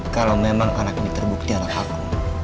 kalau memang anak ini terbukti anak aku